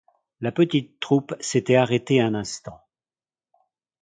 La petite troupe s’était arrêtée un instant.